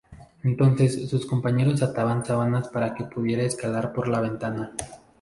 Entonces sus compañeros ataban sábanas para que pudiera escalar por la ventana.